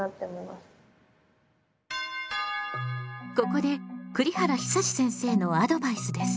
ここで栗原久先生のアドバイスです。